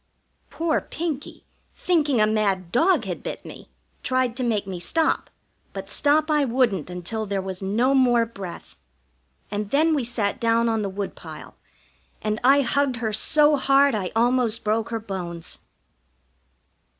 Poor Pinkie, thinking a mad dog had bit me, tried to make me stop, but stop I wouldn't until there was no more breath. And then we sat down on the woodpile, and I hugged her so hard I almost broke her bones.